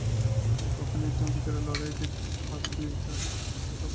যে পক্ষ নির্ধন, বিচারের লড়াইয়ে জিত-হার দুই তার পক্ষে সর্বনাশ।